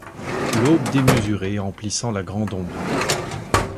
L'aube démesurée emplissant la grande ombre ;